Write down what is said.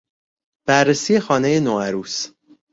بررسی خانه ی نوعروس